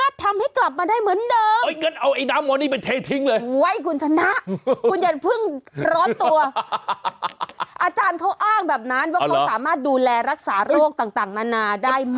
ทำแบบนั้นปกติว่าเขาสามารถดูแลรักษารกต่างนานาได้มากมาก